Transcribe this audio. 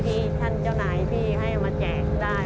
ที่ท่านเจ้านายที่ให้เอามาแจกได้